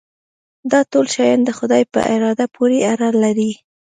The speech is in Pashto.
دا ټول شیان د خدای په اراده پورې اړه لري.